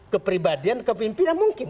kepribadian kepemimpinan mungkin